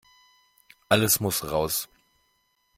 Alles muss raus.